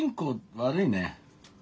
悪いね。